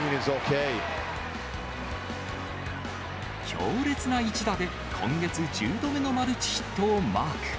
強烈な一打で、今月１０度目のマルチヒットをマーク。